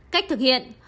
cách thực hiện